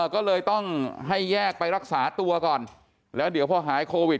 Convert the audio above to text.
ก็เลยต้องให้แยกไปรักษาตัวก่อนแล้วเดี๋ยวพอหายโควิด